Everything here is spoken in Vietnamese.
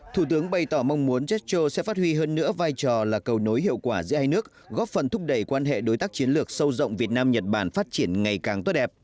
thủ tướng bày tỏ mong muốn jetro sẽ phát huy hơn nữa vai trò là cầu nối hiệu quả giữa hai nước góp phần thúc đẩy quan hệ đối tác chiến lược sâu rộng việt nam nhật bản phát triển ngày càng tốt đẹp